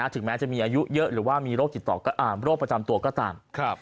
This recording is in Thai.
ถึงแม้จะมีอายุเยอะหรือว่ามีโรคติดต่อโรคประจำตัวก็ตาม